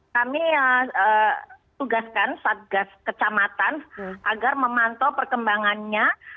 kami tugaskan satgas kecamatan agar memantau perkembangannya